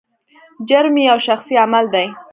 جرم یو شخصي عمل دی.